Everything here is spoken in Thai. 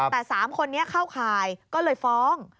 แต่๓คนนี้เข้าข่ายก็เลยฟ้อง